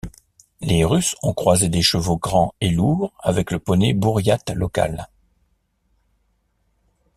Les Russes ont croisé des chevaux grands et lourds avec le poney Bouriate local.